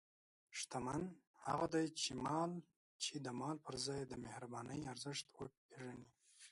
شتمن هغه دی چې د مال پر ځای د مهربانۍ ارزښت پېژني.